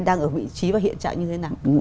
đang ở vị trí và hiện trạng như thế nào